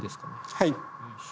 はい。